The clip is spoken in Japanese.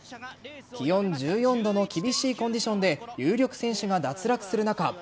気温１４度の厳しいコンディションで有力選手が脱落する中